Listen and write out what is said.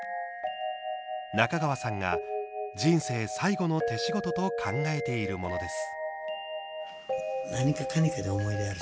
中川さんが人生最後の手仕事と考えているものです。